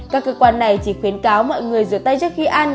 các cơ quan này chỉ khuyến cáo mọi người rửa tay trước khi ăn